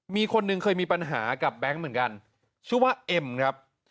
มีคนหนึ่งเคยมีปัญหากับแบงค์เหมือนกันชื่อว่าเอ็มครับ